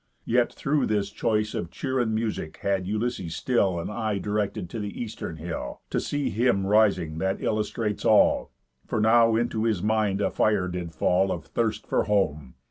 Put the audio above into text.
Yet, through this choice Of cheer and music, had Ulysses still An eye directed to the Eastern hill, To see Him rising that illustrates all; For now into his mind a fire did fall Of thirst for home.